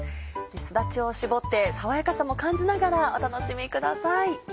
すだちを搾って爽やかさも感じながらお楽しみください。